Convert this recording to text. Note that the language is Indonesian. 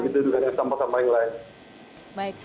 begitu juga dengan sampah sampah yang lain